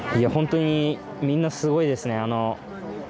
本当にみんなすごいですね。